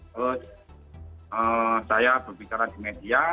terus saya berbicara di media